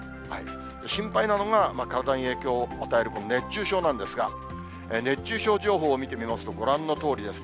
心配なのが体に影響を与える熱中症なんですが、熱中症情報を見てみますと、ご覧のとおりです。